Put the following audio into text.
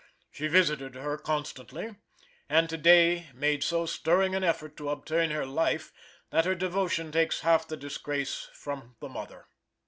She visited her constantly, and to day made so stirring an effort to obtain her life that her devotion takes half the disgrace from the mother.